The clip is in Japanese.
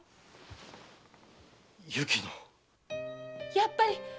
やっぱり！